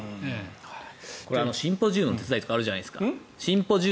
これ、シンポジウムの手伝いとかあるじゃないですか。